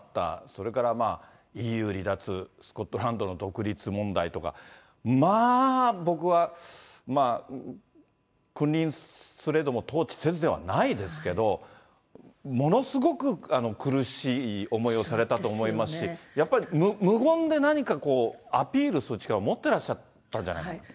それからまあ、ＥＵ離脱、スコットランドの独立問題とか、まあ、僕は、まあ、君臨すれども統治せずではないですけれども、ものすごく苦しい思いをされたと思いますし、やっぱり無言で何かこう、アピールする力を持ってらっしゃったんじゃないかと。